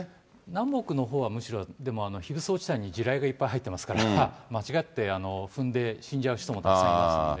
南北のほうはむしろ、でも非武装地帯に地雷がいっぱい入ってますから、間違って踏んで死んじゃう人もたくさんいますので。